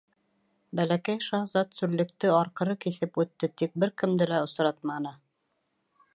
Бәләкәй шаһзат сүллекте арҡыры киҫеп үтте тик бер кемде лә осратманы.